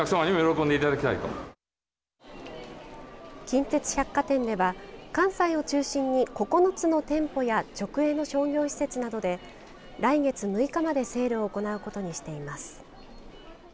近鉄百貨店では関西を中心に９つの店舗や直営の商業施設などで来月６日までセールを行うことにしています。